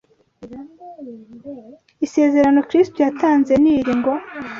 Isezerano Kristo yatanze ni iri ngo